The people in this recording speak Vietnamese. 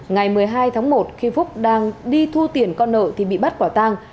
ngày một mươi hai tháng một khi phúc đang đi thu tiền con nợ thì bị bắt quả tang